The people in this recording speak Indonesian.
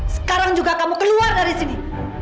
sekarang juga kamu keluar dari sini